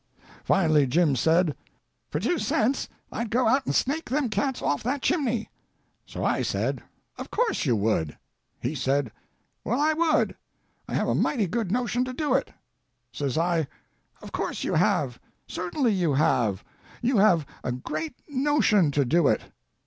Finally Jim said, "For two cents I'd go out and snake them cats off that chimney." So I said, "Of course you would." He said, "Well, I would; I have a mighty good notion to do it." Says I, "Of course you have; certainly you have, you have a great notion to do it."